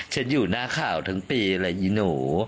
อยู่หน้าข่าวทั้งปีเลยอีหนู